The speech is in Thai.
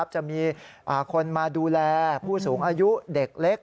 จะมีคนมาดูแลผู้สูงอายุเด็กเล็ก